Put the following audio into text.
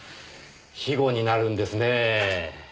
肥後になるんですねぇ。